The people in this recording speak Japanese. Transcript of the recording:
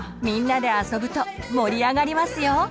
みんなであそぶと盛り上がりますよ！